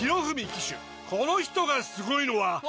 この人がすごいのは。